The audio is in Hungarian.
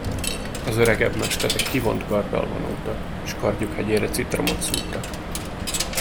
Az öregebb mesterek kivont karddal vonultak, s kardjuk hegyére citromot szúrtak.